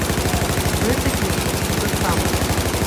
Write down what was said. Гэтакі ж усё самы.